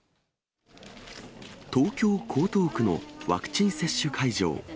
東京・江東区のワクチン接種会場。